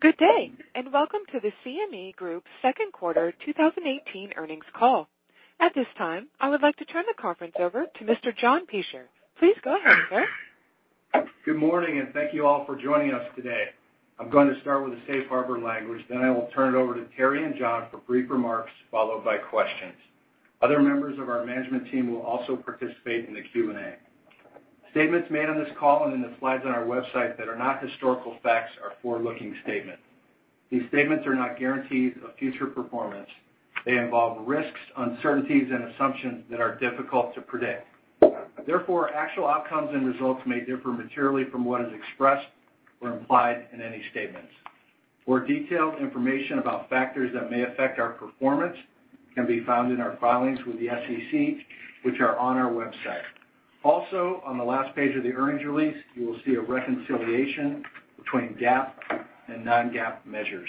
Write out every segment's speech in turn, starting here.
Good day, welcome to the CME Group second quarter 2018 earnings call. At this time, I would like to turn the conference over to Mr. John Peschier. Please go ahead, sir. Good morning, thank you all for joining us today. I'm going to start with the safe harbor language, I will turn it over to Terry and John for brief remarks, followed by questions. Other members of our management team will also participate in the Q&A. Statements made on this call and in the slides on our website that are not historical facts are forward-looking statements. These statements are not guarantees of future performance. They involve risks, uncertainties, and assumptions that are difficult to predict. Therefore, actual outcomes and results may differ materially from what is expressed or implied in any statements. More detailed information about factors that may affect our performance can be found in our filings with the SEC, which are on our website. Also, on the last page of the earnings release, you will see a reconciliation between GAAP and non-GAAP measures.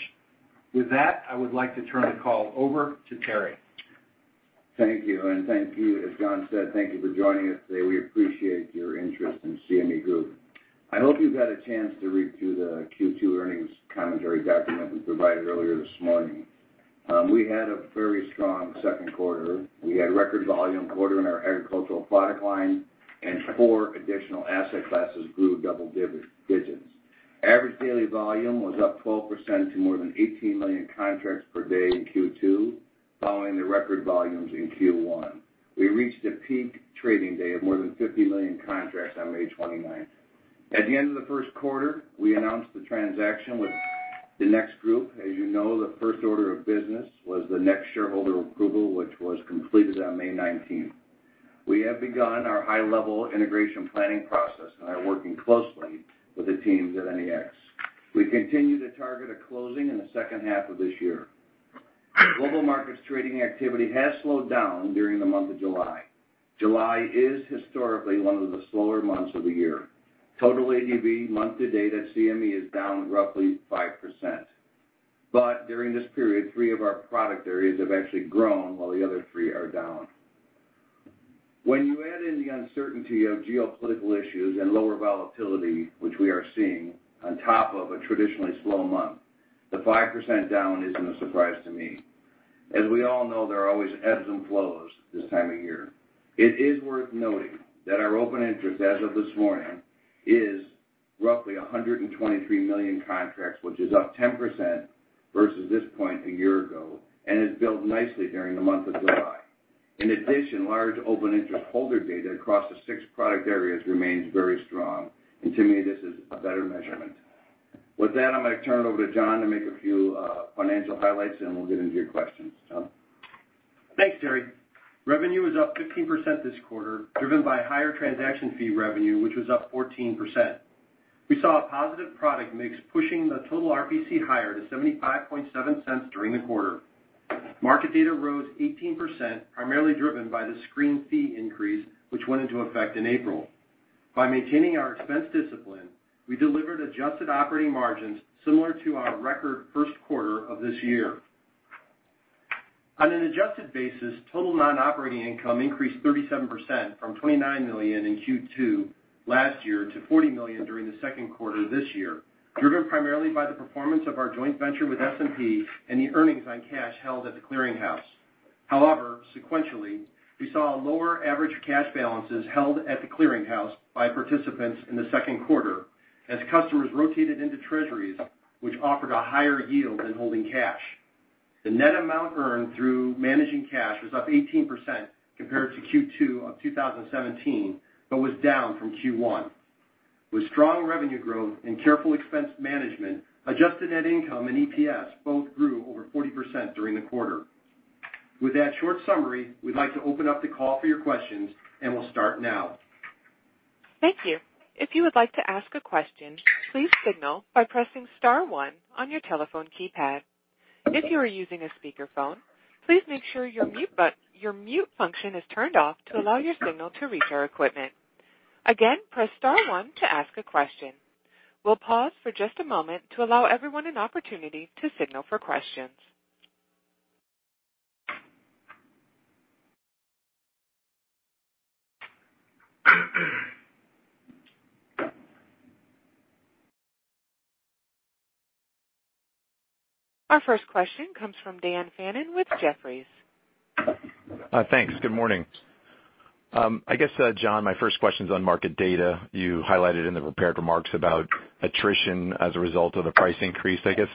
With that, I would like to turn the call over to Terry. Thank you, thank you, as John said, thank you for joining us today. We appreciate your interest in CME Group. I hope you've had a chance to read through the Q2 earnings commentary document we provided earlier this morning. We had a very strong second quarter. We had record volume quarter in our agricultural product line, and four additional asset classes grew double digits. Average daily volume was up 12% to more than 18 million contracts per day in Q2, following the record volumes in Q1. We reached a peak trading day of more than 50 million contracts on May 29th. At the end of the first quarter, we announced the transaction with the NEX Group. As you know, the first order of business was the NEX shareholder approval, which was completed on May 19th. We have begun our high-level integration planning process and are working closely with the teams at NEX. We continue to target a closing in the second half of this year. Global markets trading activity has slowed down during the month of July. July is historically one of the slower months of the year. Total ADV month to date at CME is down roughly 5%. During this period, three of our product areas have actually grown while the other three are down. When you add in the uncertainty of geopolitical issues and lower volatility, which we are seeing, on top of a traditionally slow month, the 5% down isn't a surprise to me. As we all know, there are always ebbs and flows this time of year. It is worth noting that our open interest as of this morning is roughly 123 million contracts, which is up 10% versus this point a year ago and has built nicely during the month of July. In addition, large open interest holder data across the six product areas remains very strong, and to me, this is a better measurement. With that, I'm going to turn it over to John to make a few financial highlights and we'll get into your questions. John? Thanks, Terry. Revenue was up 15% this quarter, driven by higher transaction fee revenue, which was up 14%. We saw a positive product mix pushing the total RPC higher to $0.757 during the quarter. Market data rose 18%, primarily driven by the screen fee increase, which went into effect in April. By maintaining our expense discipline, we delivered adjusted operating margins similar to our record first quarter of this year. On an adjusted basis, total non-operating income increased 37% from $29 million in Q2 last year to $40 million during the second quarter this year, driven primarily by the performance of our joint venture with S&P and the earnings on cash held at the clearing house. Sequentially, we saw lower average cash balances held at the clearing house by participants in the second quarter as customers rotated into Treasuries, which offered a higher yield than holding cash. The net amount earned through managing cash was up 18% compared to Q2 of 2017, was down from Q1. With strong revenue growth and careful expense management, adjusted net income and EPS both grew over 40% during the quarter. With that short summary, we'd like to open up the call for your questions and we'll start now. Thank you. If you would like to ask a question, please signal by pressing star one on your telephone keypad. If you are using a speakerphone, please make sure your mute function is turned off to allow your signal to reach our equipment. Again, press star one to ask a question. We'll pause for just a moment to allow everyone an opportunity to signal for questions. Our first question comes from Daniel Fannon with Jefferies. Thanks. Good morning. I guess, John, my first question's on market data. You highlighted in the prepared remarks about attrition as a result of the price increase. I guess,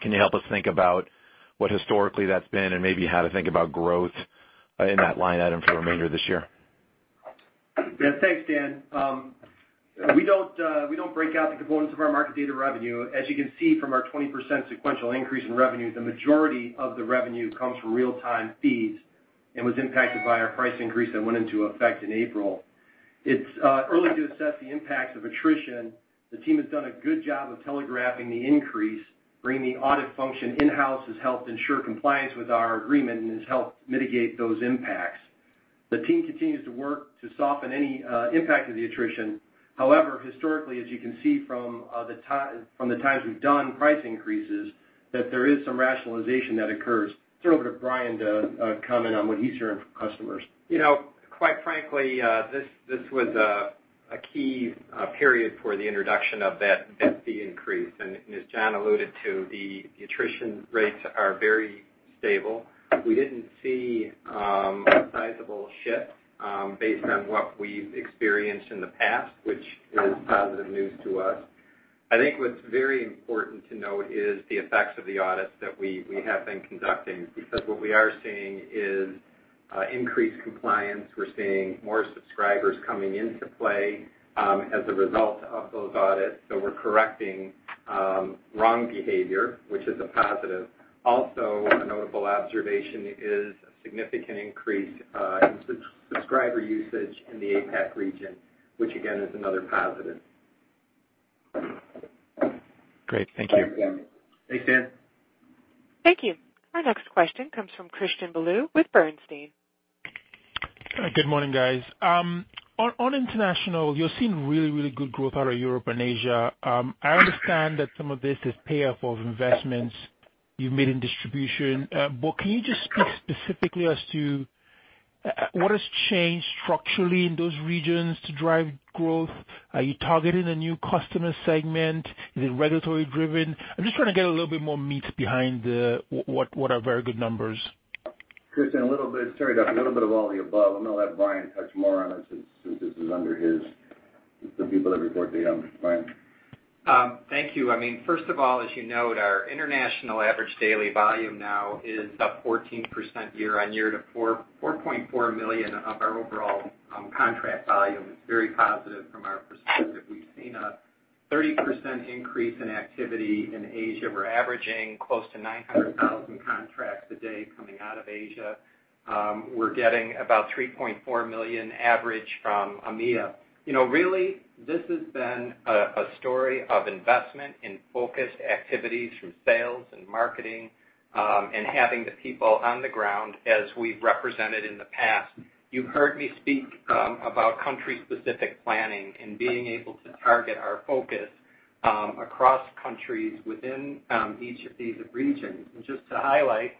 can you help us think about what historically that's been and maybe how to think about growth in that line item for the remainder of this year? Yeah. Thanks, Dan. We don't break out the components of our market data revenue. As you can see from our 20% sequential increase in revenue, the majority of the revenue comes from real-time feeds and was impacted by our price increase that went into effect in April. It's early to assess the impact of attrition. The team has done a good job of telegraphing the increase, bringing the audit function in-house has helped ensure compliance with our agreement and has helped mitigate those impacts. The team continues to work to soften any impact of the attrition. However, historically, as you can see from the times we've done price increases That there is some rationalization that occurs. Turn over to Bryan to comment on what he's hearing from customers. Quite frankly, this was a key period for the introduction of that fee increase, and as John alluded to, the attrition rates are very stable. We didn't see a sizable shift based on what we've experienced in the past, which is positive news to us. I think what's very important to note is the effects of the audits that we have been conducting, because what we are seeing is increased compliance. We're seeing more subscribers coming into play, as a result of those audits. We're correcting wrong behavior, which is a positive. Also, a notable observation is a significant increase in subscriber usage in the APAC region, which again, is another positive. Great. Thank you. Thanks, Dan. Thanks, Dan. Thank you. Our next question comes from Christian Bolu with Bernstein. Good morning, guys. On international, you're seeing really good growth out of Europe and Asia. I understand that some of this is payoff of investments you've made in distribution. Can you just speak specifically as to what has changed structurally in those regions to drive growth? Are you targeting a new customer segment? Is it regulatory driven? I'm just trying to get a little bit more meat behind what are very good numbers. Christian, Terry Duffy, a little bit of all the above. I'm going to let Bryan touch more on it since this is under the people that report to him. Bryan. Thank you. First of all, as you note, our international average daily volume now is up 14% year-over-year to $4.4 million of our overall contract volume. It's very positive from our perspective. We've seen a 30% increase in activity in Asia. We're averaging close to 900,000 contracts a day coming out of Asia. We're getting about $3.4 million average from EMEA. Really, this has been a story of investment in focused activities through sales and marketing, and having the people on the ground as we've represented in the past. You've heard me speak about country-specific planning and being able to target our focus across countries within each of these regions. Just to highlight,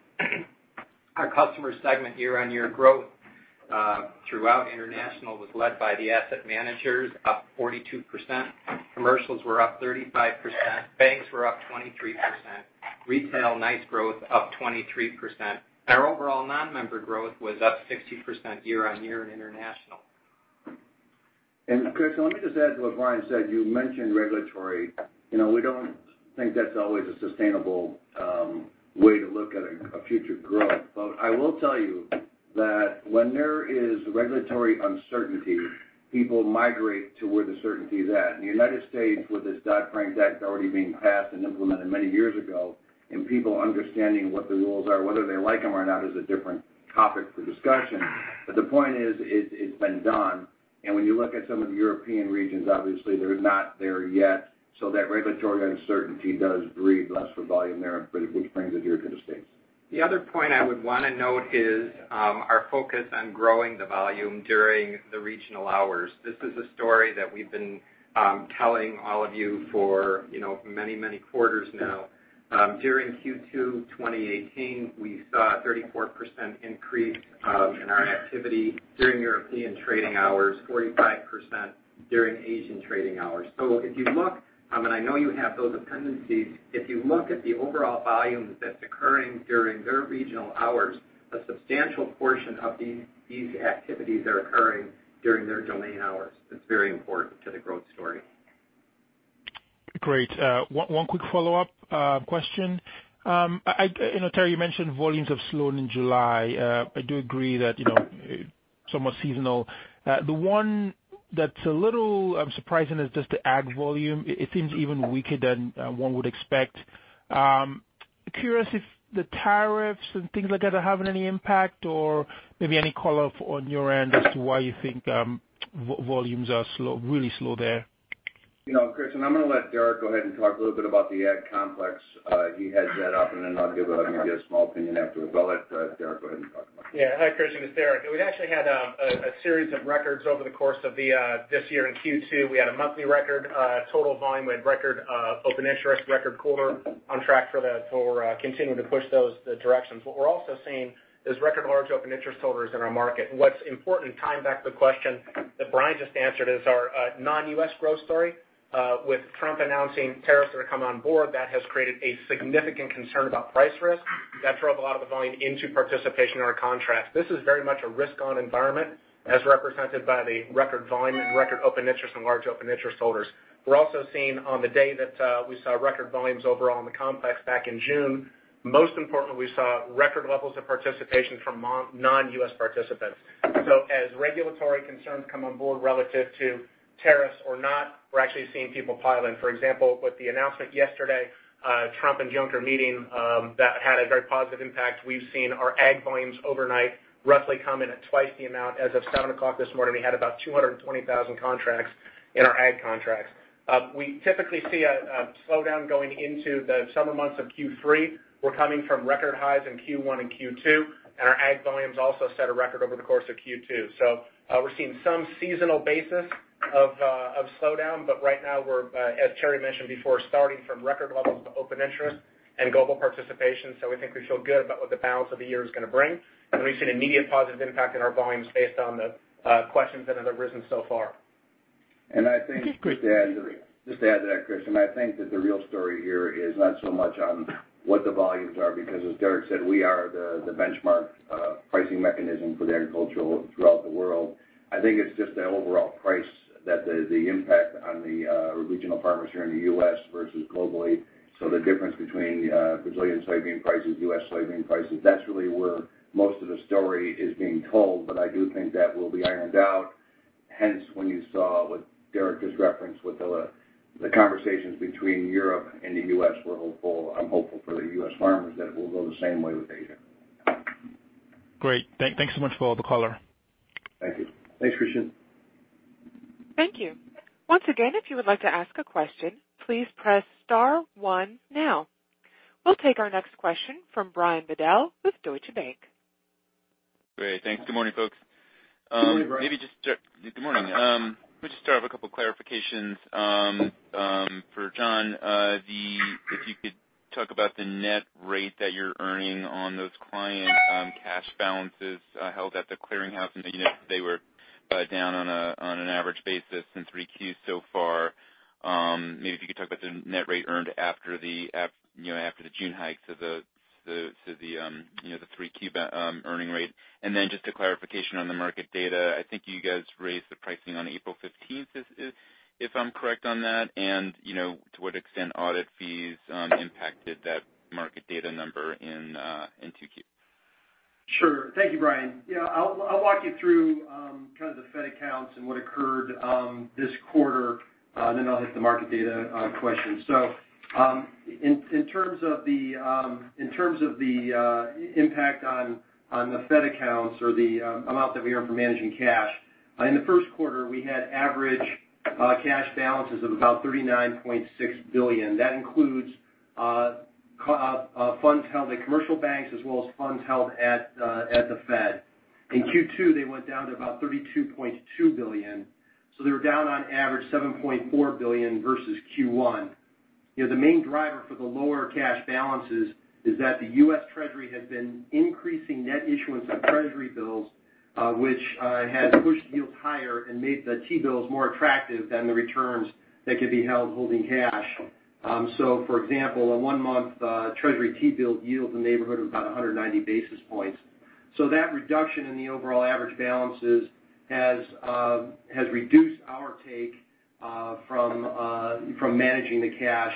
our customer segment year-over-year growth, throughout international, was led by the asset managers, up 42%. Commercials were up 35%. Banks were up 23%. Retail, nice growth, up 23%. Our overall non-member growth was up 16% year-on-year in international. Christian, let me just add to what Bryan said. You mentioned regulatory. We don't think that's always a sustainable way to look at a future growth. I will tell you that when there is regulatory uncertainty, people migrate to where the certainty is at. In the U.S., with this Dodd-Frank Act already being passed and implemented many years ago, people understanding what the rules are, whether they like them or not is a different topic for discussion. The point is, it's been done, when you look at some of the European regions, obviously they're not there yet, that regulatory uncertainty does breed less for volume there, which brings it here to the U.S. The other point I would want to note is our focus on growing the volume during the regional hours. This is a story that we've been telling all of you for many, many quarters now. During Q2 2018, we saw a 34% increase in our activity during European trading hours, 45% during Asian trading hours. If you look, I know you have those dependencies, if you look at the overall volume that's occurring during their regional hours, a substantial portion of these activities are occurring during their domain hours. It's very important to the growth story. Great. One quick follow-up question. Terry, you mentioned volumes have slowed in July. I do agree that it's somewhat seasonal. The one that's a little surprising is just the ag volume. It seems even weaker than one would expect. Curious if the tariffs and things like that are having any impact or maybe any color on your end as to why you think volumes are really slow there. Christian, I'm going to let Derek go ahead and talk a little bit about the ag complex. He heads that up, and then I'll give maybe a small opinion after as well. Derek, go ahead and talk about it. Yeah. Hi, Christian, it's Derek. We've actually had a series of records over the course of this year in Q2. We had a monthly record total volume. We had record open interest, record quarter on track for continuing to push those directions. We're also seeing is record large open interest holders in our market. What's important, tying back to the question that Bryan just answered, is our non-U.S. growth story. With Trump announcing tariffs that are coming on board, that has created a significant concern about price risk that drove a lot of the volume into participation or a contract. This is very much a risk-on environment as represented by the record volume and record open interest and large open interest holders. We're also seeing on the day that we saw record volumes overall in the complex back in June, most importantly, we saw record levels of participation from non-U.S. participants. As regulatory concerns come on board relative to tariffs or not, we're actually seeing people pile in. For example, with the announcement yesterday, Trump and Juncker meeting, that had a very positive impact. We've seen our ag volumes overnight roughly come in at twice the amount as of 7:00 A.M. this morning, we had about 220,000 contracts in our ag contracts. We typically see a slowdown going into the summer months of Q3. We're coming from record highs in Q1 and Q2, and our ag volumes also set a record over the course of Q2. We're seeing some seasonal basis of slowdown, but right now, as Terry mentioned before, starting from record levels of open interest and global participation. We think we feel good about what the balance of the year is going to bring, and we've seen immediate positive impact in our volumes based on the questions that have arisen so far. I think just to add to that, Chris, and I think that the real story here is not so much on what the volumes are because, as Derek said, we are the benchmark pricing mechanism for the agricultural throughout the world. I think it's just the overall price that the impact on the regional farmers here in the U.S. versus globally. The difference between Brazilian soybean prices, U.S. soybean prices, that's really where most of the story is being told. I do think that will be ironed out, hence when you saw what Derek just referenced with the conversations between Europe and the U.S., I'm hopeful for the U.S. farmers that it will go the same way with Asia. Great. Thanks so much for the color. Thank you. Thanks, Christian. Thank you. Once again, if you would like to ask a question, please press star one now. We will take our next question from Brian Bedell with Deutsche Bank. Great. Thanks. Good morning, folks. Good morning, Brian. Good morning. Let me just start with a couple of clarifications. For John, if you could talk about the net rate that you are earning on those client cash balances held at the clearinghouse. I know they were down on an average basis in three Qs so far. Maybe if you could talk about the net rate earned after the June hike to the three Q earning rate. Just a clarification on the market data. I think you guys raised the pricing on April 15th, if I am correct on that. To what extent audit fees impacted that market data number in 2Q? Sure. Thank you, Brian. Yeah, I'll walk you through kind of the Fed accounts and what occurred this quarter, and then I'll hit the market data question. In terms of the impact on the Fed accounts or the amount that we earn from managing cash, in the first quarter, we had average cash balances of about $39.6 billion. That includes funds held at commercial banks as well as funds held at the Fed. In Q2, they went down to about $32.2 billion, they were down on average $7.4 billion versus Q1. The main driver for the lower cash balances is that the U.S. Treasury has been increasing net issuance of Treasury bills, which has pushed yields higher and made the T-bills more attractive than the returns that could be held holding cash. For example, a one-month Treasury T-bill yields in the neighborhood of about 190 basis points. That reduction in the overall average balances has reduced our take from managing the cash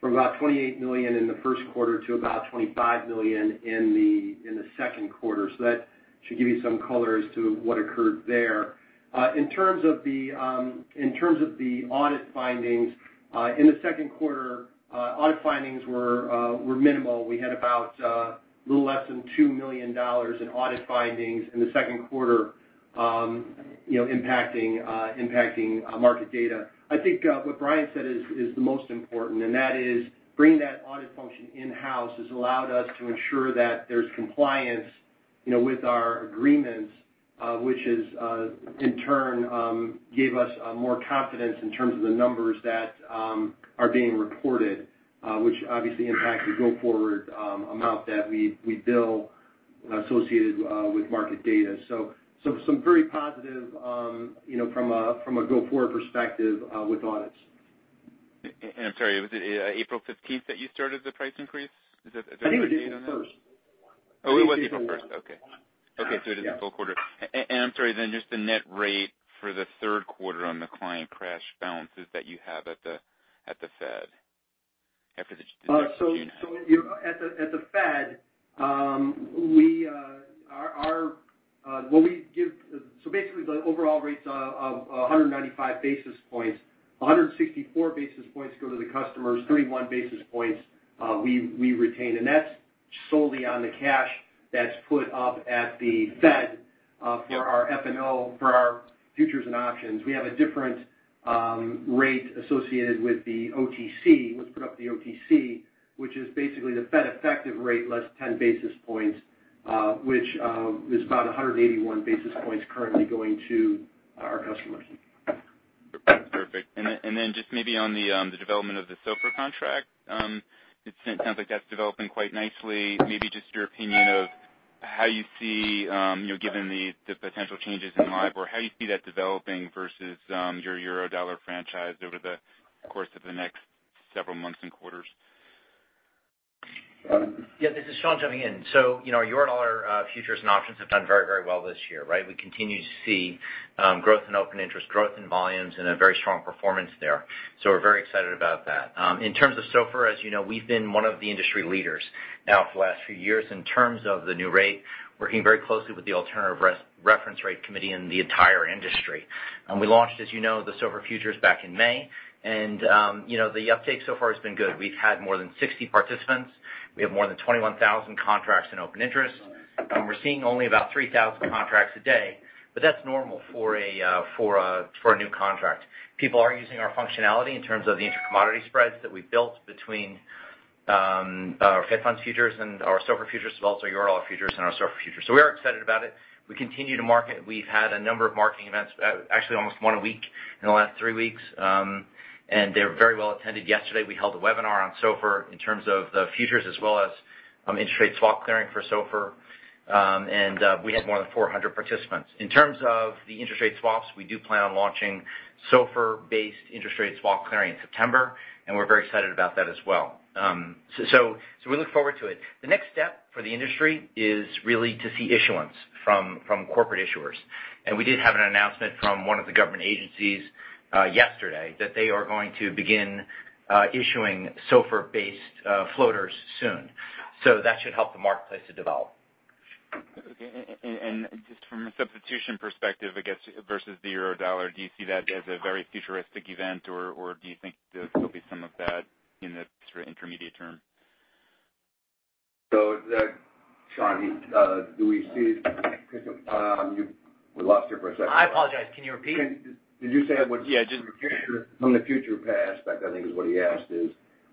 from about $28 million in the first quarter to about $25 million in the second quarter. That should give you some color as to what occurred there. In terms of the audit findings, in the second quarter, audit findings were minimal. We had about a little less than $2 million in audit findings in the second quarter impacting market data. I think what Brian said is the most important, and that is bringing that audit function in-house has allowed us to ensure that there's compliance with our agreements, which has in turn given us more confidence in terms of the numbers that are being reported, which obviously impacts the go-forward amount that we bill associated with market data. Some very positive from a go-forward perspective with audits. I'm sorry, was it April 15th that you started the price increase? Is that the date on that? I think it was the first. It was April 1st. Okay. It is a full quarter. Yeah. I'm sorry, just the net rate for the third quarter on the client cash balances that you have at the Fed after the June hike. At the Fed, basically the overall rates of 195 basis points, 164 basis points go to the customers, 31 basis points we retain, and that's solely on the cash that's put up at the Fed for our F&O, for our futures and options. We have a different rate associated with the OTC, what's put up the OTC, which is basically the Fed effective rate less 10 basis points, which is about 181 basis points currently going to our customers. Perfect. Just maybe on the development of the SOFR contract, it sounds like that's developing quite nicely. Maybe just your opinion of how you see, given the potential changes in LIBOR, how you see that developing versus your Eurodollar franchise over the course of the next several months and quarters. Yeah, this is Sean jumping in. Our Eurodollar futures and options have done very well this year. We continue to see growth in open interest, growth in volumes, and a very strong performance there. We're very excited about that. In terms of SOFR, as you know, we've been one of the industry leaders now for the last few years in terms of the new rate, working very closely with the Alternative Reference Rates Committee and the entire industry. We launched, as you know, the SOFR futures back in May, and the uptake so far has been good. We've had more than 60 participants. We have more than 21,000 contracts in open interest. We're seeing only about 3,000 contracts a day, but that's normal for a new contract. People are using our functionality in terms of the intra-commodity spreads that we've built between our Fed funds futures and our SOFR futures as well as our Eurodollar futures and our SOFR futures. We are excited about it. We continue to market. We've had a number of marketing events, actually almost one a week in the last three weeks, they're very well attended. Yesterday, we held a webinar on SOFR in terms of the futures as well as on interest rate swap clearing for SOFR, we had more than 400 participants. In terms of the interest rate swaps, we do plan on launching SOFR-based interest rate swap clearing in September, and we're very excited about that as well. We look forward to it. The next step for the industry is really to see issuance from corporate issuers. We did have an announcement from one of the government agencies, yesterday, that they are going to begin issuing SOFR-based floaters soon. That should help the marketplace to develop. Okay, just from a substitution perspective, I guess, versus the Eurodollar, do you see that as a very futuristic event, or do you think there'll be some of that in the intermediate term? Sean, we lost you for a second. I apologize. Can you repeat? Did you say? Yeah, just. From the future past, I think is what he asked is,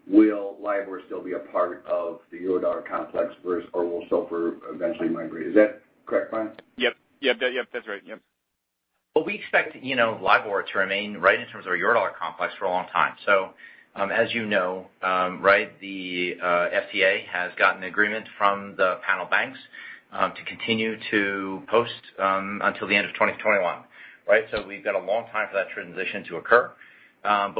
will LIBOR still be a part of the Eurodollar complex, or will SOFR eventually migrate? Is that correct, Brian? Yep. That's right. Yep. We expect LIBOR to remain right in terms of our Eurodollar complex for a long time. As you know, the FCA has gotten agreement from the panel banks to continue to post until the end of 2021. We've got a long time for that transition to occur.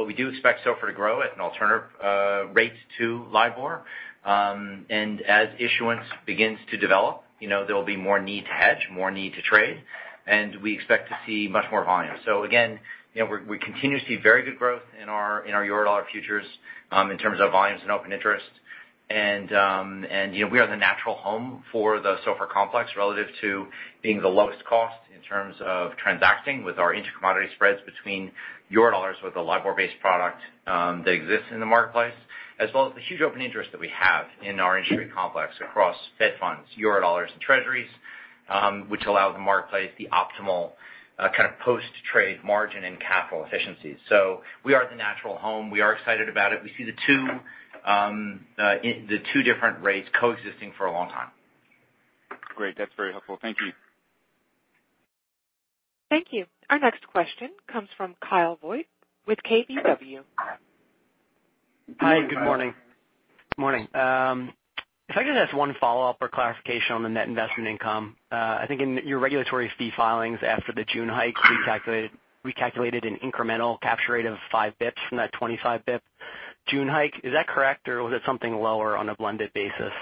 We do expect SOFR to grow at an alternative rate to LIBOR. As issuance begins to develop, there'll be more need to hedge, more need to trade, and we expect to see much more volume. Again, we continue to see very good growth in our Eurodollar futures, in terms of volumes and open interest. We are the natural home for the SOFR complex relative to being the lowest cost in terms of transacting with our inter-commodity spreads between Eurodollars with a LIBOR-based product that exists in the marketplace, as well as the huge open interest that we have in our industry complex across Fed funds, Eurodollars, and Treasuries, which allow the marketplace the optimal kind of post-trade margin and capital efficiencies. We are the natural home. We are excited about it. We see the two different rates coexisting for a long time. Great. That's very helpful. Thank you. Thank you. Our next question comes from Kyle Voigt with KBW. Hi, Kyle. Good morning. Morning. If I could ask one follow-up or clarification on the net investment income. I think in your regulatory fee filings after the June hikes, we calculated an incremental capture rate of 5 basis points from that 25-basis point June hike. Is that correct, or was it something lower on a blended basis?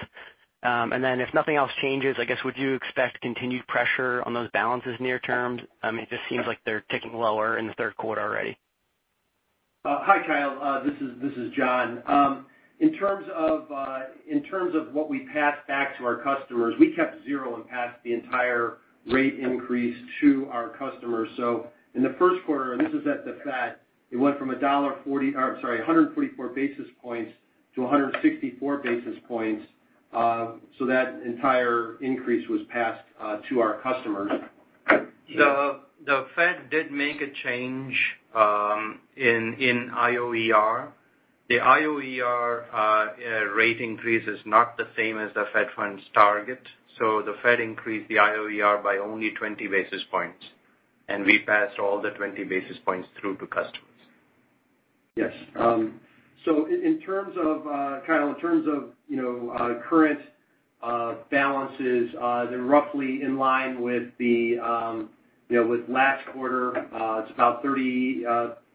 If nothing else changes, I guess, would you expect continued pressure on those balances near term? It just seems like they're ticking lower in the third quarter already. Hi, Kyle, this is John. In terms of what we passed back to our customers, we kept zero and passed the entire rate increase to our customers. In the first quarter, and this is at the Fed, it went from 144 basis points to 164 basis points. That entire increase was passed to our customers. The Fed did make a change in IOER. The IOER rate increase is not the same as the Fed funds target, the Fed increased the IOER by only 20 basis points, we passed all the 20 basis points through to customers. Yes. Kyle, in terms of current balances, they're roughly in line with last quarter. It's about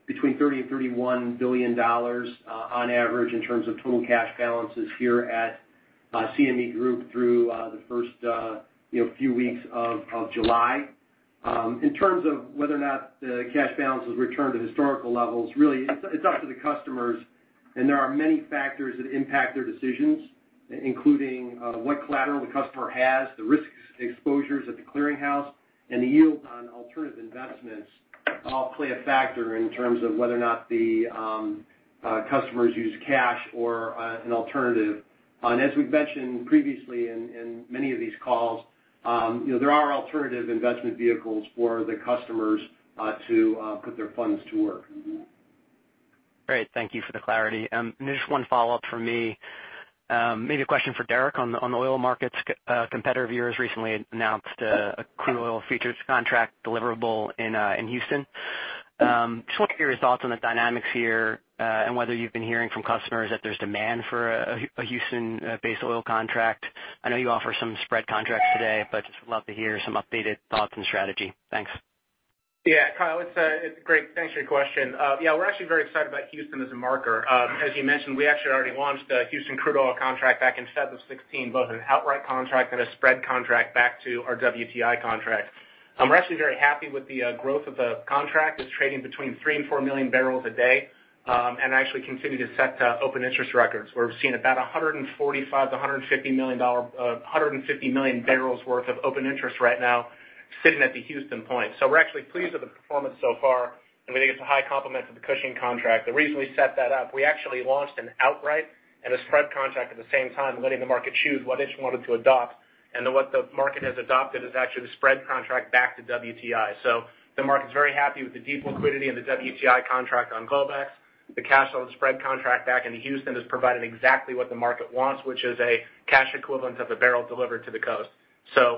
between $30 and $31 billion on average in terms of total cash balances here at CME Group through the first few weeks of July. In terms of whether or not the cash balances return to historical levels, really, it's up to the customers, there are many factors that impact their decisions, including what collateral the customer has, the risk exposures at the clearing house, the yield on alternative investments all play a factor in terms of whether or not the customers use cash or an alternative. As we've mentioned previously in many of these calls, there are alternative investment vehicles for the customers to put their funds to work. Great. Thank you for the clarity. Just one follow-up from me. Maybe a question for Derek on the oil markets. A competitor of yours recently announced a crude oil futures contract deliverable in Houston. Just want your thoughts on the dynamics here and whether you've been hearing from customers that there's demand for a Houston-based oil contract. I know you offer some spread contracts today, but just would love to hear some updated thoughts and strategy. Thanks. Kyle Voigt, it's great. Thanks for your question. We're actually very excited about Houston as a marker. As you mentioned, we actually already launched a Houston crude oil contract back in February 2016, both an outright contract and a spread contract back to our WTI contract. We're actually very happy with the growth of the contract. It's trading between three and four million barrels a day, actually continue to set open interest records, where we're seeing about 145 million-150 million barrels worth of open interest right now sitting at the Houston point. We're actually pleased with the performance so far, and we think it's a high compliment to the Cushing contract. The reason we set that up, we actually launched an outright and a spread contract at the same time, letting the market choose what it wanted to adopt. What the market has adopted is actually the spread contract back to WTI. The market's very happy with the deep liquidity and the WTI contract on Globex. The cash on spread contract back into Houston has provided exactly what the market wants, which is a cash equivalent of a barrel delivered to the coast.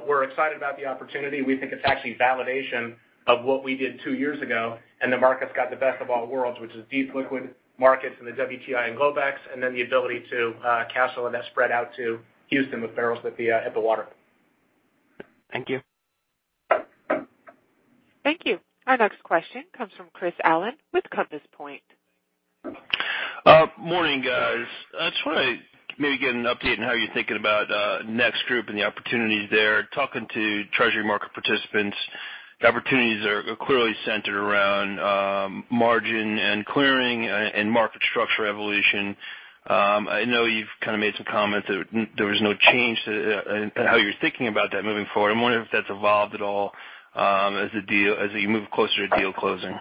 We're excited about the opportunity. We think it's actually validation of what we did two years ago, the market's got the best of all worlds, which is deep liquid markets in the WTI and Globex, and then the ability to castle and then spread out to Houston with barrels at the water. Thank you. Thank you. Our next question comes from Chris Allen with Compass Point. Morning, guys. I just want to maybe get an update on how you're thinking about NEX Group and the opportunities there. Talking to treasury market participants, the opportunities are clearly centered around margin and clearing and market structure evolution. I know you've kind of made some comments that there was no change to how you're thinking about that moving forward. I'm wondering if that's evolved at all as you move closer to deal closing.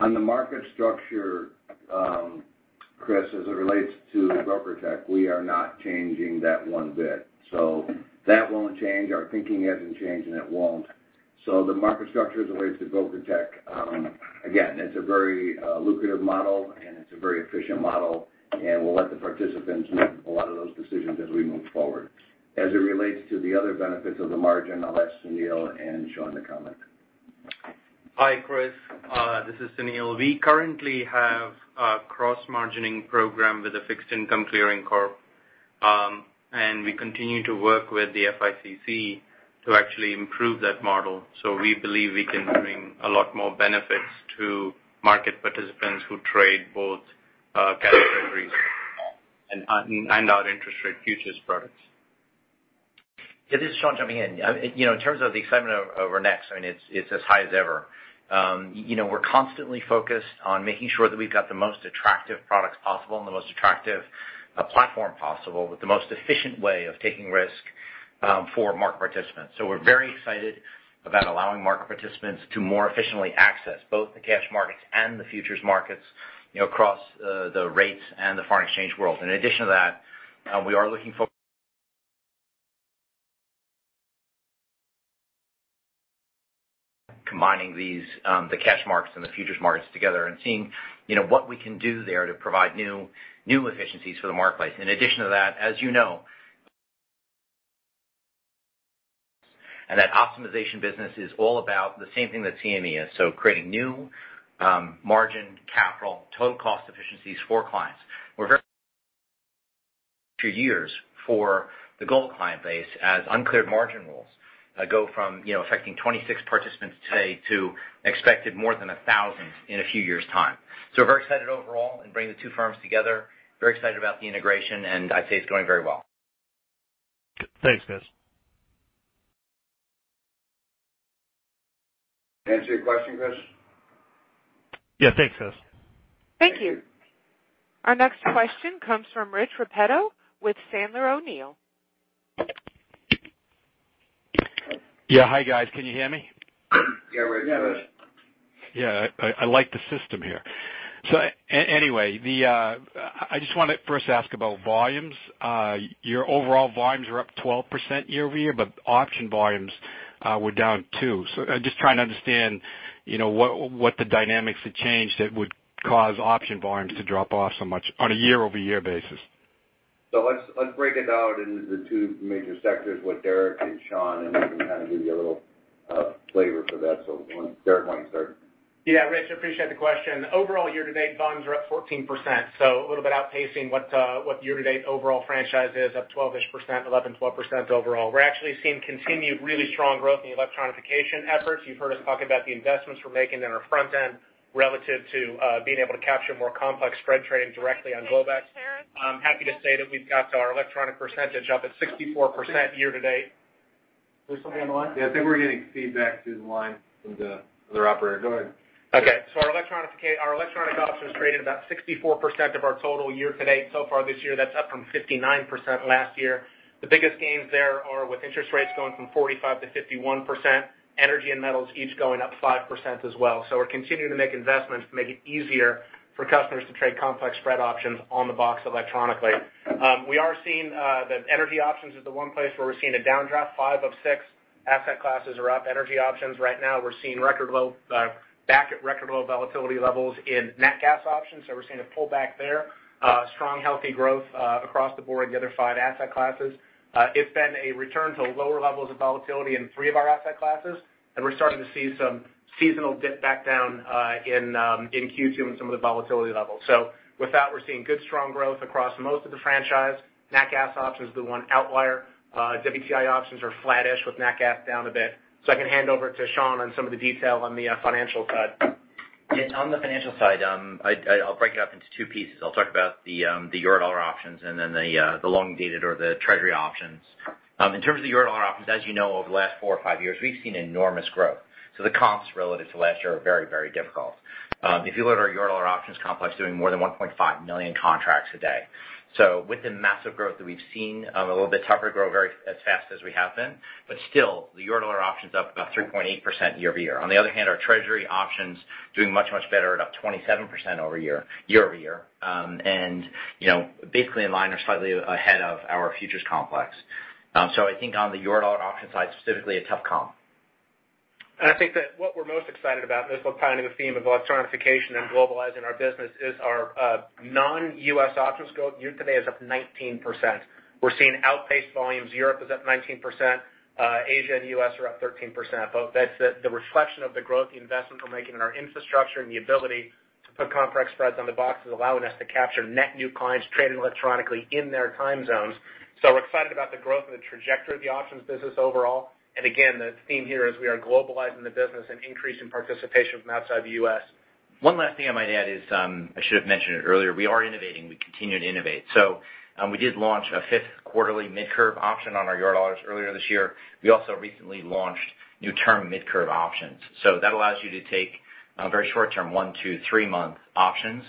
On the market structure, Chris, as it relates to BrokerTec, we are not changing that one bit. That won't change. Our thinking hasn't changed, and it won't. The market structure as it relates to BrokerTec, again, it's a very lucrative model, and it's a very efficient model, and we'll let the participants make a lot of those decisions as we move forward. As it relates to the other benefits of the margin, I'll ask Sunil and Sean to comment. Hi, Chris. This is Sunil. We currently have a cross-margining program with the Fixed Income Clearing Corp. We continue to work with the FICC to actually improve that model. We believe we can bring a lot more benefits to market participants who trade both cash and risk and our interest rate futures products. Yeah, this is Sean jumping in. In terms of the excitement over NEX, it's as high as ever. We're constantly focused on making sure that we've got the most attractive products possible and the most attractive platform possible with the most efficient way of taking risk for market participants. We're very excited about allowing market participants to more efficiently access both the cash markets and the futures markets across the rates and the foreign exchange world. In addition to that, we are combining the cash markets and the futures markets together and seeing what we can do there to provide new efficiencies for the marketplace. In addition to that, as you know, that optimization business is all about the same thing that CME is, creating new margin, capital, total cost efficiencies for clients. We're few years for the global client base as uncleared margin rules go from affecting 26 participants today to expected more than 1,000 in a few years' time. We're very excited overall in bringing the two firms together, very excited about the integration, and I'd say it's going very well. Thanks, guys. Did I answer your question, Chris? Yeah. Thanks, guys. Thank you. Our next question comes from Rich Repetto with Sandler O'Neill. Yeah. Hi, guys. Can you hear me? Yeah, Rich, go ahead. Yeah, I like the system here. Anyway, I just want to first ask about volumes. Your overall volumes are up 12% year-over-year, but option volumes were down too. Just trying to understand what the dynamics have changed that would cause option volumes to drop off so much on a year-over-year basis. Let's break it out into the two major sectors with Derek and Sean, and we can kind of give you a little flavor for that. Derek, why don't you start? Yeah, Rich, appreciate the question. Overall, year-to-date volumes are up 14%, a little bit outpacing what year-to-date overall franchise is up twelve-ish percent, 11, 12% overall. We're actually seeing continued really strong growth in the electronification efforts. You've heard us talk about the investments we're making in our front end relative to being able to capture more complex spread trading directly on Globex. I'm happy to say that we've got our electronic percentage up at 64% year-to-date. Is there something on the line? Yeah, I think we're getting feedback through the line from the other operator. Go ahead. Okay. Our electronic options created about 64% of our total year-to-date so far this year. That's up from 59% last year. The biggest gains there are with interest rates going from 45%-51%, energy and metals each going up 5% as well. We're continuing to make investments to make it easier for customers to trade complex spread options on the box electronically. We are seeing that energy options is the one place where we're seeing a downdraft. Five of six asset classes are up. Energy options right now, we're seeing back at record low volatility levels in Natural Gas options, so we're seeing a pullback there. Strong, healthy growth across the board in the other five asset classes. It's been a return to lower levels of volatility in three of our asset classes, and we're starting to see some seasonal dip back down in Q2 in some of the volatility levels. With that, we're seeing good strong growth across most of the franchise. Natural Gas options is the one outlier. WTI options are flattish with Natural Gas down a bit. I can hand over to Sean on some of the detail on the financial side. Yeah. On the financial side, I'll break it up into two pieces. I'll talk about the Eurodollar options and then the long-dated or the Treasury options. In terms of the Eurodollar options, as you know, over the last four or five years, we've seen enormous growth. The comps relative to last year are very, very difficult. If you look at our Eurodollar options complex doing more than 1.5 million contracts a day. With the massive growth that we've seen, a little bit tougher to grow very as fast as we have been. Still, the Eurodollar options up about 3.8% year-over-year. On the other hand, our Treasury options doing much, much better at up 27% over year-over-year. And basically in line or slightly ahead of our futures complex. I think on the Eurodollar option side, specifically, a tough comp I think that what we're most excited about, and this will tie into the theme of electronification and globalizing our business, is our non-U.S. options scope year-to-date is up 19%. We're seeing outpaced volumes. Europe is up 19%, Asia and U.S. are up 13%. That's the reflection of the growth, the investment we're making in our infrastructure, and the ability to put complex spreads on the boxes, allowing us to capture net new clients trading electronically in their time zones. We're excited about the growth and the trajectory of the options business overall. Again, the theme here is we are globalizing the business and increasing participation from outside the U.S. One last thing I might add is, I should have mentioned it earlier, we are innovating. We continue to innovate. We did launch a fifth quarterly Mid-Curve option on our Eurodollars earlier this year. We also recently launched new Term Mid-Curve options. That allows you to take very short-term, one to three-month options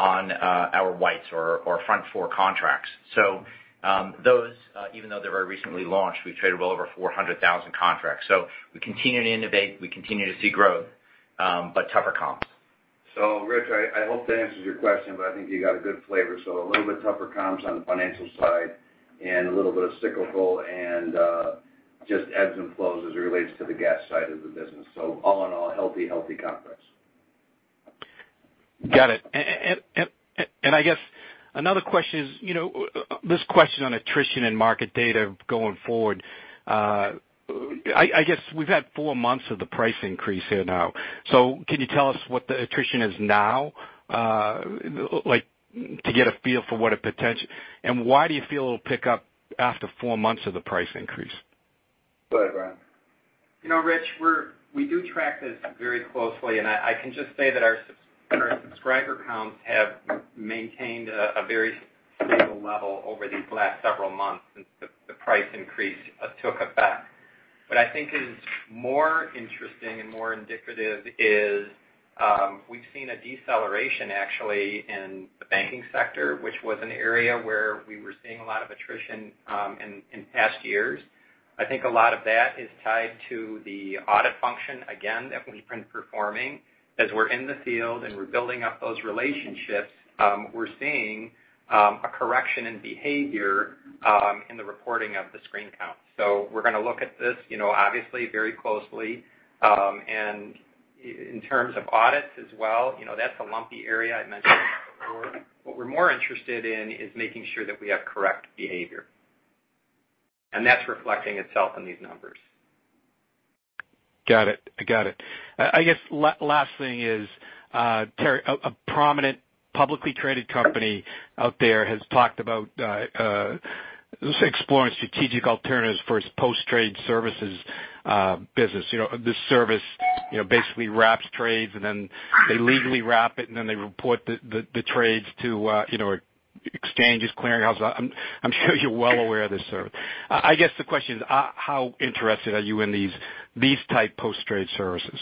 on our whites or front four contracts. Those, even though they were recently launched, we've traded well over 400,000 contracts. We continue to innovate, we continue to see growth, but tougher comps. Rich, I hope that answers your question, but I think you got a good flavor. A little bit tougher comps on the financial side and a little bit of cyclical and just ebbs and flows as it relates to the gas side of the business. All in all, healthy conference. Got it. I guess another question is this question on attrition and market data going forward. I guess we've had four months of the price increase here now. Can you tell us what the attrition is now, like to get a feel for and why do you feel it'll pick up after four months of the price increase? Go ahead, Brian. Rich, we do track this very closely. I can just say that our subscriber counts have maintained a very stable level over these last several months since the price increase took effect. What I think is more interesting and more indicative is, we've seen a deceleration actually in the banking sector, which was an area where we were seeing a lot of attrition in past years. I think a lot of that is tied to the audit function, again, that we've been performing. As we're in the field and we're building up those relationships, we're seeing a correction in behavior in the reporting of the screen count. We're going to look at this obviously very closely. In terms of audits as well, that's a lumpy area I mentioned before. What we're more interested in is making sure that we have correct behavior. That's reflecting itself in these numbers. Got it. I guess last thing is, Terry, a prominent publicly traded company out there has talked about exploring strategic alternatives for its post-trade services business. This service basically wraps trades. They legally wrap it. They report the trades to exchanges, clearing houses. I'm sure you're well aware of this service. I guess the question is, how interested are you in these type post-trade services?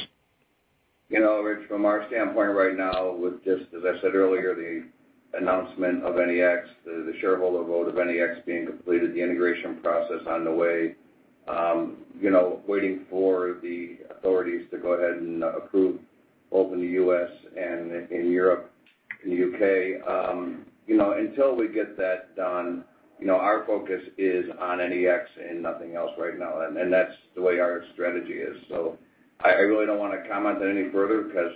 Rich, from our standpoint right now with this, as I said earlier, the announcement of NEX, the shareholder vote of NEX being completed, the integration process on the way, waiting for the authorities to go ahead and approve both in the U.S. and in Europe, in the U.K. Until we get that done, our focus is on NEX and nothing else right now. That's the way our strategy is. I really don't want to comment on it any further because,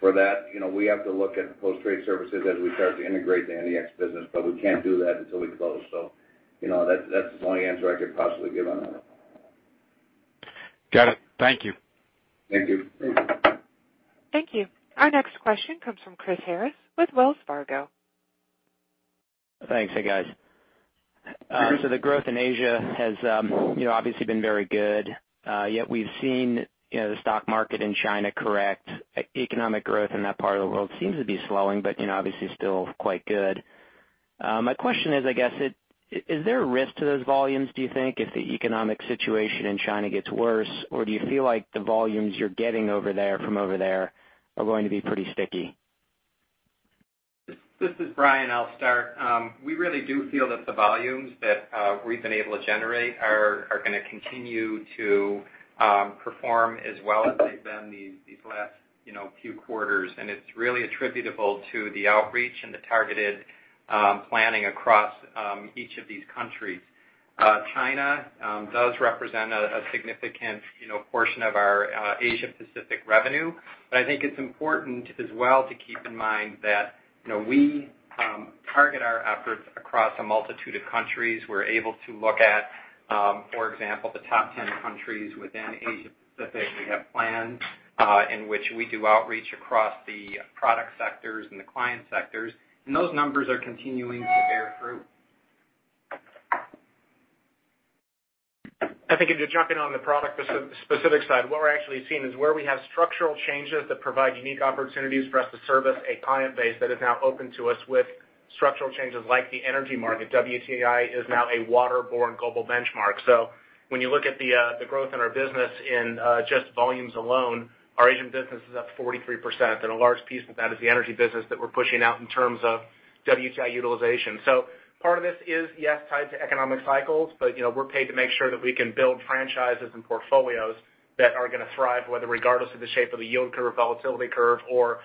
for that, we have to look at post-trade services as we start to integrate the NEX business. We can't do that until we close. That's the only answer I could possibly give on that one. Got it. Thank you. Thank you. Thank you. Thank you. Our next question comes from Chris Harris with Wells Fargo. Thanks. Hey, guys. Chris. The growth in Asia has obviously been very good. Yet we've seen the stock market in China correct. Economic growth in that part of the world seems to be slowing, but obviously still quite good. My question is, I guess, is there a risk to those volumes, do you think, if the economic situation in China gets worse? Do you feel like the volumes you're getting from over there are going to be pretty sticky? This is Brian. I'll start. We really do feel that the volumes that we've been able to generate are going to continue to perform as well as they've been these last few quarters, and it's really attributable to the outreach and the targeted planning across each of these countries. China does represent a significant portion of our Asia Pacific revenue. I think it's important as well to keep in mind that we target our efforts across a multitude of countries. We're able to look at, for example, the top 10 countries within Asia Pacific. We have plans in which we do outreach across the product sectors and the client sectors, and those numbers are continuing to bear fruit. I think, to jump in on the product-specific side, what we're actually seeing is where we have structural changes that provide unique opportunities for us to service a client base that is now open to us with Structural changes like the energy market, WTI is now a waterborne global benchmark. When you look at the growth in our business in just volumes alone, our Asian business is up 43%, and a large piece of that is the energy business that we're pushing out in terms of WTI utilization. Part of this is, yes, tied to economic cycles, but we're paid to make sure that we can build franchises and portfolios that are going to thrive regardless of the shape of the yield curve, volatility curve, or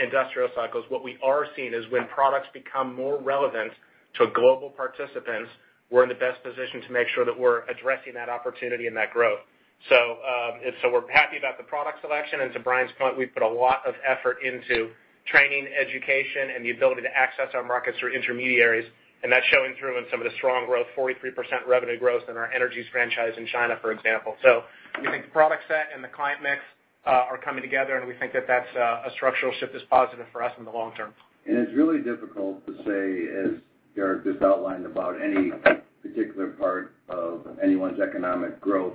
industrial cycles. What we are seeing is when products become more relevant to global participants, we're in the best position to make sure that we're addressing that opportunity and that growth. We're happy about the product selection, and to Bryan's point, we've put a lot of effort into training, education, and the ability to access our markets through intermediaries, and that's showing through in some of the strong growth, 43% revenue growth in our energies franchise in China, for example. We think the product set and the client mix are coming together, and we think that that's a structural shift that's positive for us in the long term. It's really difficult to say, as Derek just outlined, about any particular part of anyone's economic growth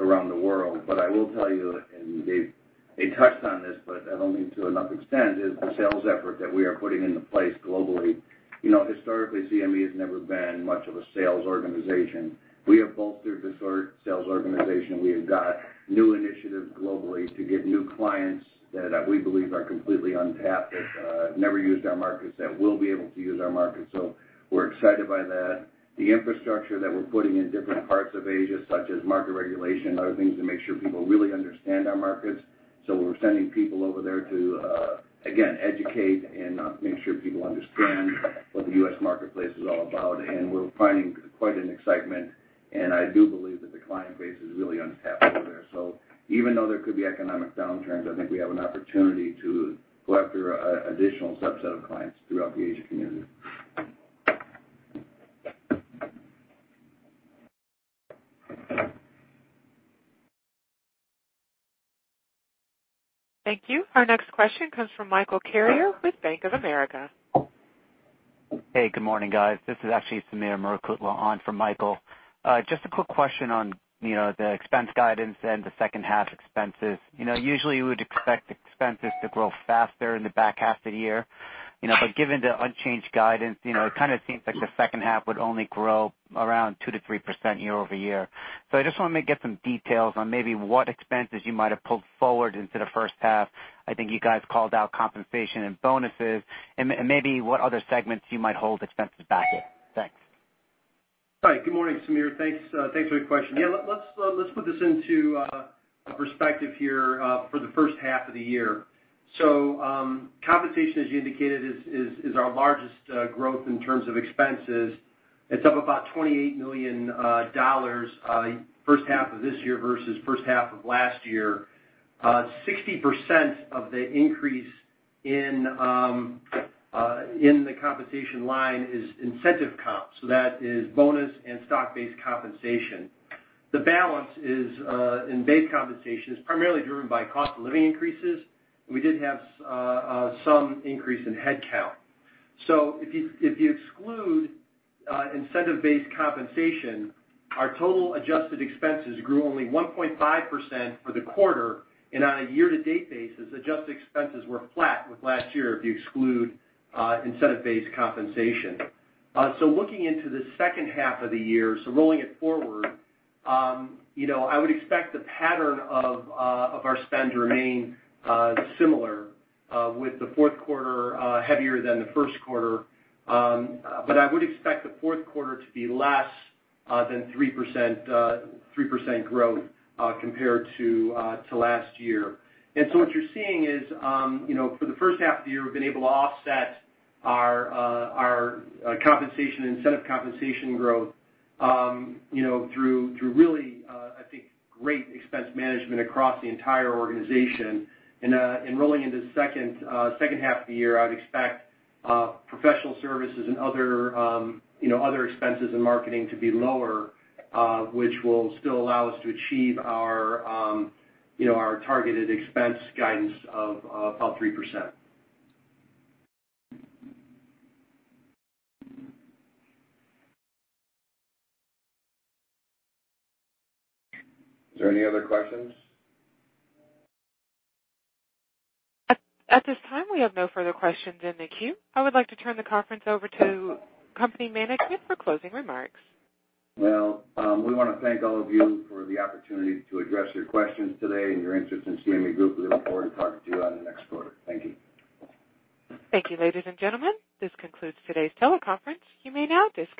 around the world. I will tell you, and they touched on this, but I don't think to enough extent, is the sales effort that we are putting into place globally. Historically, CME has never been much of a sales organization. We have bolstered the sales organization. We have got new initiatives globally to get new clients that we believe are completely untapped, that never used our markets, that will be able to use our markets. We're excited by that. The infrastructure that we're putting in different parts of Asia, such as market regulation and other things to make sure people really understand our markets. We're sending people over there to, again, educate and make sure people understand what the U.S. marketplace is all about, and we're finding quite an excitement, and I do believe that the client base is really untapped over there. Even though there could be economic downturns, I think we have an opportunity to go after an additional subset of clients throughout the Asia community. Thank you. Our next question comes from Michael Carrier with Bank of America. Hey, good morning, guys. This is actually Sameer Murukutla on for Michael. Just a quick question on the expense guidance and the second half expenses. Given the unchanged guidance, it kind of seems like the second half would only grow around 2%-3% year-over-year. I just wanted to get some details on maybe what expenses you might have pulled forward into the first half. I think you guys called out compensation and bonuses, and maybe what other segments you might hold expenses back in. Thanks. Hi, good morning, Samir. Thanks for the question. Let's put this into a perspective here for the first half of the year. Compensation, as you indicated, is our largest growth in terms of expenses. It's up about $28 million first half of this year versus first half of last year. 60% of the increase in the compensation line is incentive comp, so that is bonus and stock-based compensation. The balance in base compensation is primarily driven by cost of living increases, and we did have some increase in headcount. If you exclude incentive-based compensation, our total adjusted expenses grew only 1.5% for the quarter, and on a year-to-date basis, adjusted expenses were flat with last year if you exclude incentive-based compensation. Looking into the second half of the year, rolling it forward, I would expect the pattern of our spend to remain similar with the fourth quarter heavier than the first quarter. I would expect the fourth quarter to be less than 3% growth compared to last year. What you're seeing is, for the first half of the year, we've been able to offset our compensation, incentive compensation growth, through really, I think, great expense management across the entire organization. Rolling into the second half of the year, I would expect professional services and other expenses and marketing to be lower, which will still allow us to achieve our targeted expense guidance of about 3%. Is there any other questions? At this time, we have no further questions in the queue. I would like to turn the conference over to company management for closing remarks. Well, we want to thank all of you for the opportunity to address your questions today and your interest in CME Group. We look forward to talking to you on the next quarter. Thank you. Thank you, ladies and gentlemen. This concludes today's teleconference. You may now disconnect.